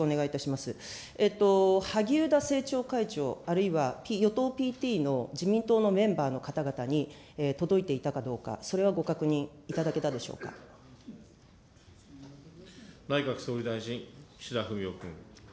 萩生田政調会長あるいは与党ＰＴの自民党のメンバーの方々に、届いていたかどうか、それはご確認内閣総理大臣、岸田文雄君。